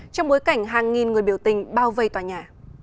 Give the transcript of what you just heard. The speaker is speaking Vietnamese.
trong bối cảnh hàng nghìn người biểu tình bao vây tòa nhà